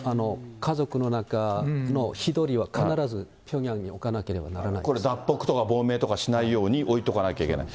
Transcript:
家族の中の一人は、必ずピョンヤンに置かなければならないんこれ、脱北とか亡命とかしないように、置いとかなきゃいけない。